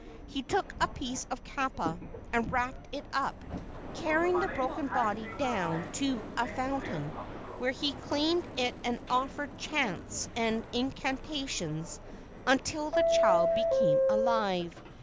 He took a piece of kapa and wrapped it up, carrying the broken body down to a foun¬ tain, where he cleansed it and offered chants and incantations until the child became alive.